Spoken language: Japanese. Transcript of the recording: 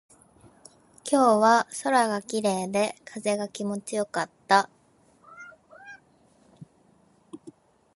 今日は空が綺麗で、風が気持ちよかった。